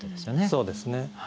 そうですね。